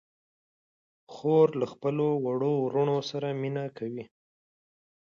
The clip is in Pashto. خور له خپلو وړو وروڼو سره مینه کوي.